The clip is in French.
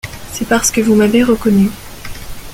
C’est parce que vous m’avez reconnu.